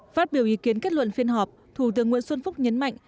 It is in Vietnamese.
phát biểu ý kiến kết luận phiên họp thủ tướng nguyễn xuân phúc nhấn mạnh